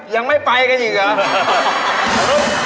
ยังไม่ไปกันอีกเหรอ